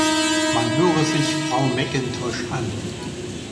Man höre sich Frau McIntosh an.